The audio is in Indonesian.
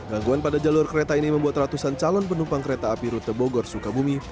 gangguan pada jalur kereta ini membuat ratusan calon penumpang kereta api rute bogor sukabumi